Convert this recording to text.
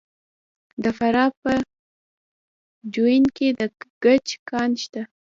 د فراه په جوین کې د ګچ کان شته.